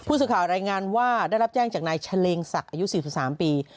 สื่อข่าวรายงานว่าได้รับแจ้งจากนายเฉลงศักดิ์อายุ๔๓ปี